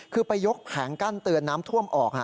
คือไปยกแผงกั้นเตือนน้ำท่วมออก